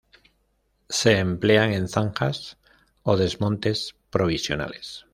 Se emplean en zanjas o desmontes provisionales.